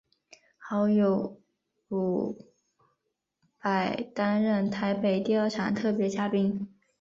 好友伍佰担任台北第二场特别嘉宾。